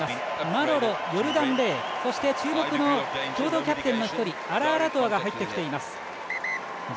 マロロ、ヨルダン・レイ、そして注目の共同キャプテンの一人アラアラトアが入ってきています。